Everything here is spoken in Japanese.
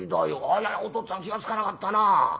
あらおとっつぁん気が付かなかったな。